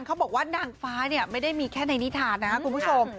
เขาบอกว่านางฟ้าเนี่ยไม่ได้มีแค่ในนิทานนะครับคุณผู้ชม